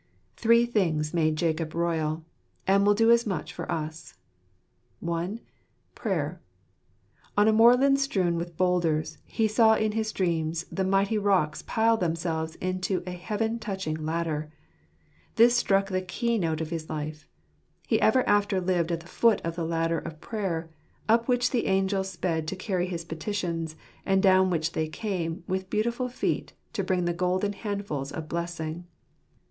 Three things made Jacob royal ; and will do as much for us. (1) Prayer. On the moorland strewn with boulders, he saw in his dreams the mighty rocks pile themselves into a heaven touching ladder. This struck the keynote of his life. He ever after lived at the foot of the ladder of prayer, up which the angels sped to carry his petitions, and down which they came, with beautiful feet, to bring the golden handfuls of blessing.